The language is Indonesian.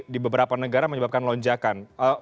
di beberapa negara menyebabkan lonjakan